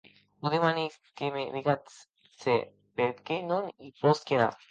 Vos demani que me digatz se per qué non i posqui anar.